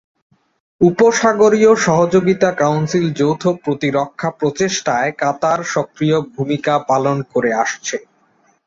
উপসাগরীয় সহযোগিতা কাউন্সিল যৌথ প্রতিরক্ষা প্রচেষ্টায় কাতার সক্রিয় ভূমিকা পালন করে আসছে।